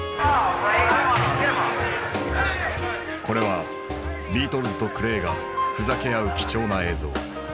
これはビートルズとクレイがふざけ合う貴重な映像。